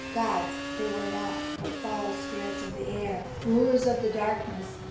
Gods they were not, but foul spirits of the air, rulers of the darkness.